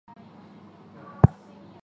股间有显着的红棕色的大斑。